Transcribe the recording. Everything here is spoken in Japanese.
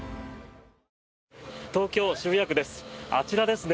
東京・渋谷区です。